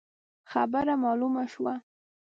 خبره مالومه شوه.